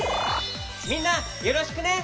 みんなよろしくね！